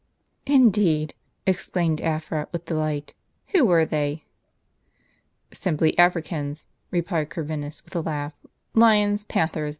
" Indeed! " exclaimed Afra with delight, "who were they ?"" Simply Africans,"* replied Corvinus, with a laugh : "lions, panthers, leopards."